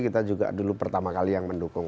kita juga dulu pertama kali yang mendukung